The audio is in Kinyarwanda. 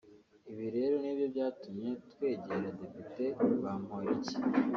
Ibi rero nibyo byatumye twegera Depite Bamporiki